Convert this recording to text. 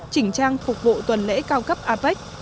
chỉnh trang phục vụ tuần lễ cao cấp apec